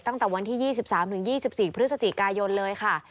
ตั้งแต่วันที่๒๓๒๔พฤศจิกายนเลยค่ะ